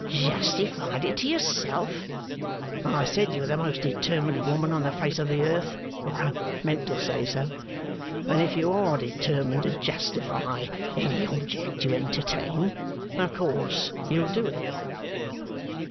'Justified it to yourself? I said you were the most determined woman on the face of the earth (or I meant to say so), and if you are determined to justify any object you entertain, of course you'll do it.